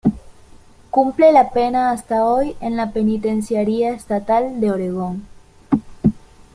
Cumple la pena hasta hoy en la Penitenciaría Estatal de Oregon.